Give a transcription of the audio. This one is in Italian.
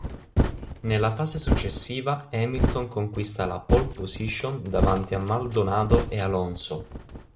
Nella fase successiva Hamilton conquista la "pole position" davanti a Maldonado e Alonso.